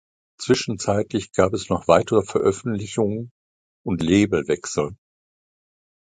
Zwischenzeitlich gab es noch weitere Veröffentlichungen und Labelwechsel.